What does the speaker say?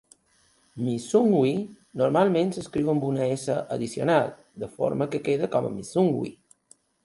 Misungwi normalment s'escriu amb una "s" addicional de forma que queda com a Missungwi.